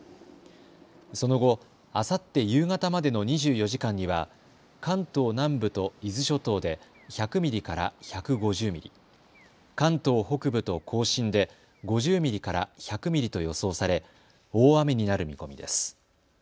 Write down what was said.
その後、あさって夕方までの２４時間には関東南部と伊豆諸島で１００ミリから１５０ミリ、関東北部と甲信で５０ミリから１００ミリと予想され大雨になる見込みです。